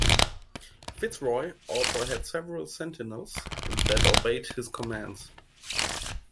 Fitzroy also had several Sentinels that obeyed his commands.